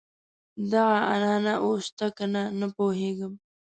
دغه عنعنه اوس شته کنه نه پوهېږم.